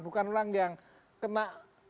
bukan orang yang kena